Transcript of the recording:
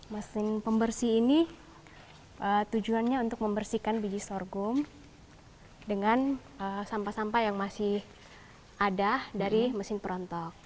mesin pembersih ini tujuannya untuk membersihkan biji sorghum dengan sampah sampah yang masih ada dari mesin perantau